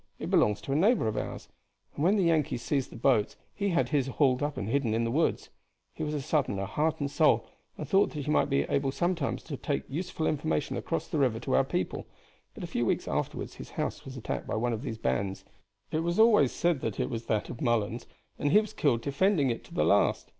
"It belongs to a neighbor of ours, and when the Yankees seized the boats he had his hauled up and hidden in the woods. He was a Southerner, heart and soul, and thought that he might be able sometimes to take useful information across the river to our people; but a few weeks afterward his house was attacked by one of these bands it was always said it was that of Mullens and he was killed defending it to the last.